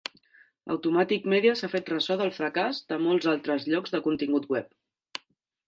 Automatic Media s'ha fet ressò del fracàs de molts altres llocs de contingut web.